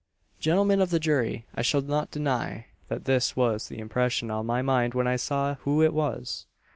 "Gentlemen of the jury! I shall not deny, that this was the impression on my mind when I saw who it was.